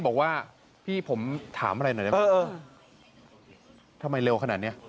บอกว่าพี่ผมถามอะไรหน่อยทำไมเร็วขนาดนี้